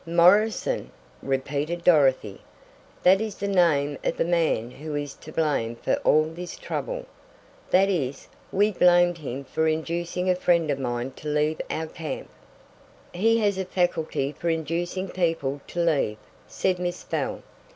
"Morrison?" repeated Dorothy. "That is the name of the man who is to blame for all this trouble; that is, we blamed him for inducing a friend of mine to leave our camp." "He has a faculty for inducing people to leave," said Miss Bell.